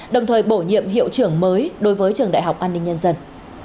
đồng thời bổ nhiệm hiệu trưởng mới đối với trường đại học an ninh nhân dân